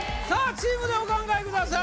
チームでお考えください